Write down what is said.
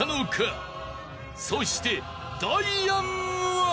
［そしてダイアンは？］